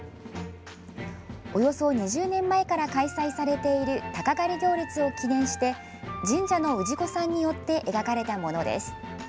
およそ２０年前から開催されている鷹狩り行列を記念して神社の氏子さんによって描かれたものです。